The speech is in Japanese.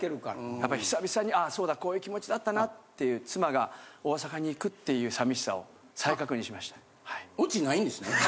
やっぱ久々にあそうだこういう気持ちだったなっていう妻が大阪に行くっていう寂しさを再確認しましたはい。